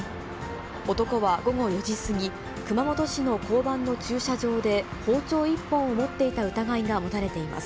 男は午後４時過ぎ、熊本市の交番の駐車場で、包丁１本を持っていた疑いが持たれています。